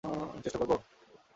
আমি চেষ্টা করবো?